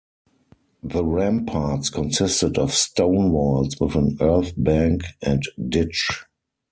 The ramparts consisted of stone walls with an earth bank and ditch.